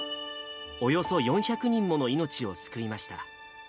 およそ４００人もの命を救いました。